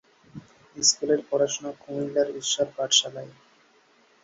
স্কুলের পড়াশোনা কুমিল্লার ঈশ্বর পাঠশালায়।